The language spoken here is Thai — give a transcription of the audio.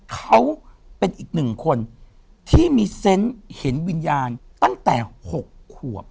เขาเป็นอีกหนึ่งคนที่มีเซนต์เห็นวิญญาณตั้งแต่๖ขวบ